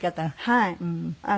はい。